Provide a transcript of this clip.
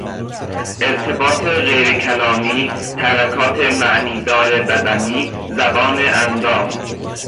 ارتباط غیرکلامی، حرکات معنیدار بدنی، زبان اندام